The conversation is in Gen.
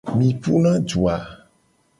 Mi puna du a?